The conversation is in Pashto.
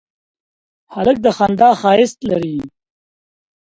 هلک د خندا ښایست لري.